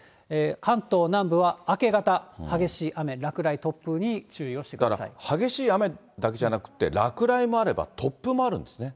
関東南部は明け方、激しい雨、落だから激しい雨だけじゃなくて、落雷もあれば突風もあるんですね。